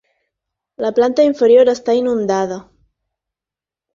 La planta inferior està inundada.